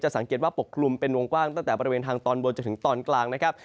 สังเกตว่าปกคลุมเป็นวงกว้างตั้งแต่บริเวณทางตอนบนจนถึงตอนกลางนะครับ